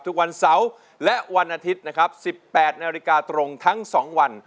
ทุกวันเสาร์และวันอาทิตย์นะครับ๑๘นาฬิกาตรงทั้ง๒วัน